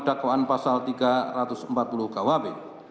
dakwaan pasal tiga ratus empat puluh kwb